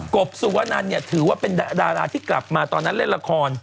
บสุวนันเนี่ยถือว่าเป็นดาราที่กลับมาตอนนั้นเล่นละคร